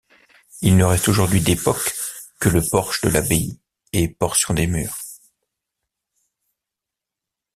Il ne reste aujourd'hui d'époque que le porche de l'abbaye et portions des murs.